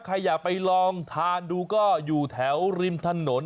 ใครอยากไปลองทานดูก็อยู่แถวริมถนน